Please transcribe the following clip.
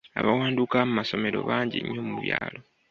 Abawanduka masomero bangi nnyo mu byalo.